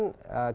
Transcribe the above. kita akan tunggu